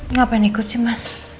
ngapain ikut sih mas